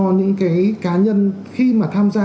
những cái cá nhân khi mà tham gia